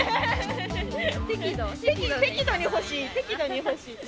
適度に欲しい、適度に欲しい。